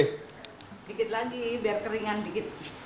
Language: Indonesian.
dikit lagi biar keringan dikit